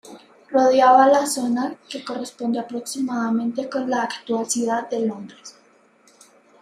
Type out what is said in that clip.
Rodeaba la zona que corresponde aproximadamente con la actual Ciudad de Londres.